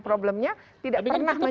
problemnya tidak pernah menyelesaikan